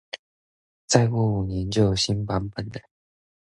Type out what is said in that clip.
再過五年就有新版本了